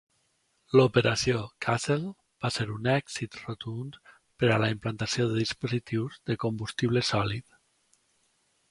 L'operació Castle va ser un èxit rotund per a la implementació de dispositius de combustible sòlid.